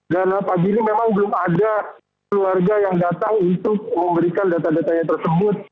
dan pagi ini memang belum ada keluarga yang datang untuk memberikan data datanya tersebut